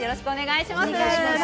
よろしくお願いします。